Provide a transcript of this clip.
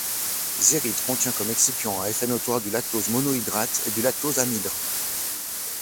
Zerit contient comme excipients à effet notoire du lactose monohydrate et du lactose anhydre.